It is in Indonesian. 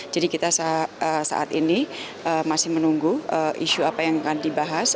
jadi kita saat ini masih menunggu isu apa yang akan dibahas